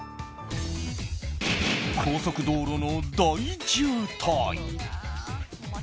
高速道路の大渋滞！